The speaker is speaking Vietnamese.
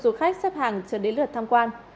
du khách xếp hàng cho đến lượt tham quan